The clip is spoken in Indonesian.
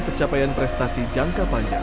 pencapaian prestasi jangka panjang